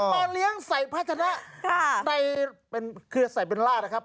เรามาเลี้ยงใส่พัฒนะในคือใส่เป็นราชนะครับ